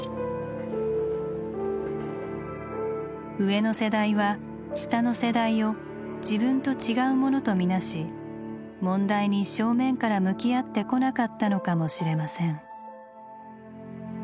上の世代は下の世代を「自分と違う」ものと見なし問題に正面から向き合ってこなかったのかもしれません。